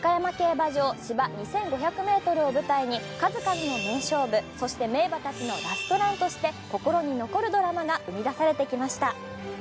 馬場芝２，５００ｍを舞台に数々の名勝負そして名馬たちのラストランとして心に残るドラマが生み出されてきました。